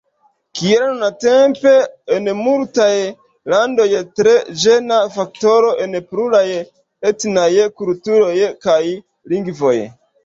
Kiel nuntempe en multaj landoj: tre ĝena faktoro en pluraj etnaj kulturoj kaj lingvoj?